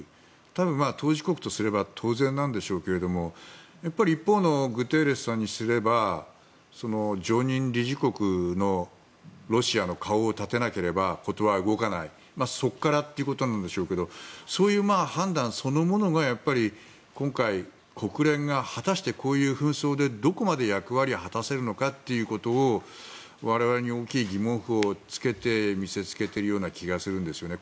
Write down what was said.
多分、当事国とすれば当然でしょうが一方のグテーレスさんにすれば常任理事国のロシアの顔を立てなければ事は動かないからそこからってことなんでしょうがそういう判断そのものが今回、国連が果たして、こういう紛争でどこまで役割を果たせるのか我々に大きい疑問符をつけて見せつけているような気がするんですよね。